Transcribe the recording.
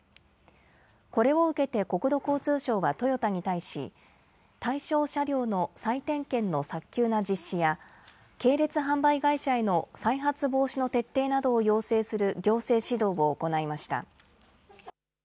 これを受けて国土交通省はトヨタに対し、対象車両の再点検の早急な実施や、系列販売会社への再発防止の徹底などを要請する行政指導を行いました。